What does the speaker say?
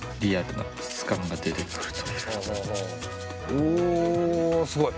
おすごい！